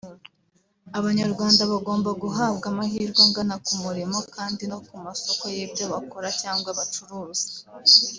Abanyarwanda bagomba guhabwa amahirwe angana ku murimo kandi no ku masoko y’ibyo bakora cyangwa bacuruza